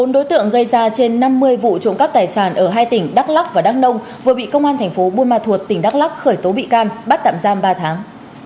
bốn đối tượng gây ra trên năm mươi vụ trộm cắp tài sản ở hai tỉnh đắk lắc và đắk nông vừa bị công an thành phố buôn ma thuột tỉnh đắk lắc khởi tố bị can bắt tạm giam ba tháng